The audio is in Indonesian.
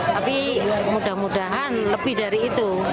tapi mudah mudahan lebih dari itu